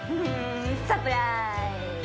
サプライズ！